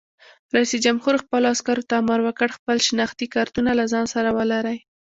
رئیس جمهور خپلو عسکرو ته امر وکړ؛ خپل شناختي کارتونه له ځان سره ولرئ!